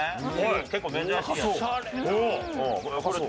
結構珍しいやつ。